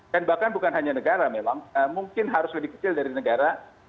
dan bahkan bukan hanya negara memang mungkin harus lebih kecil dari negara